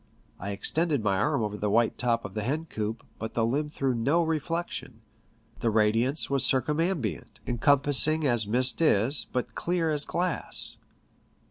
I extended my arm over the white top of a hencoop, but the limb threw no reflection. The radiance was circum ambient, encompassing as mist is, but clear as glass.